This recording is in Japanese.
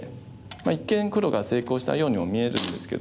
一見黒が成功したようにも見えるんですけど。